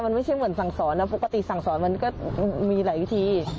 มันไม่ใช่เหมือนสั่งสอนนะปกติสั่งสอนมันก็มีหลายวิธี